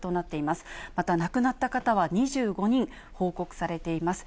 また亡くなった方は２５人報告されています。